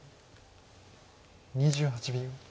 ２８秒。